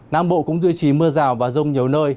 nam bộ cũng duy trì mưa rào và rông nhiều nơi